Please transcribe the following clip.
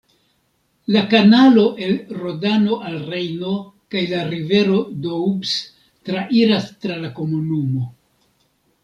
La kanalo el Rodano al Rejno kaj la rivero Doubs trairas tra la komunumo.